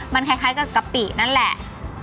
มันคล้ายกับกะปินั่นแหละ